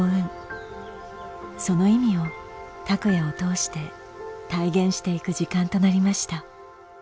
その意味を拓哉を通して体現していく時間となりました。